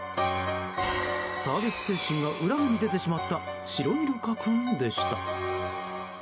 サービス精神が裏目に出てしまったシロイルカ君でした。